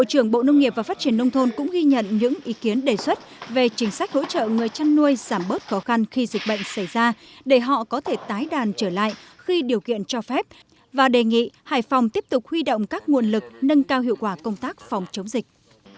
hải phòng cũng ghi nhận những ý kiến đề xuất về chính sách hỗ trợ người chăn nuôi giảm bớt khó khăn khi dịch bệnh xảy ra để họ có thể tái đàn trở lại khi điều kiện cho phép và đề nghị hải phòng tiếp tục huy động các nguồn lực nâng cao hiệu quả công tác phòng chống dịch